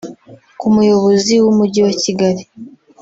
Ku muyobozi w’Umujyi wa Kigali